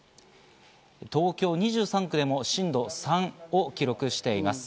東京２３区でも震度３を記録しています。